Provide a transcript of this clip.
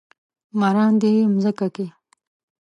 مراندې يې مځکه کې ،